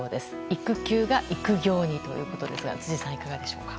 育休が育業にということですが辻さん、いかがですか？